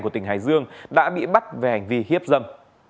của tỉnh hải dương đã bị bắt về hành vi hiếp dâm